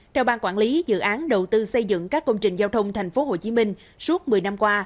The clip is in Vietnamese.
theo ban quản lý dự án đầu tư xây dựng các công trình giao thông tp hcm suốt một mươi năm qua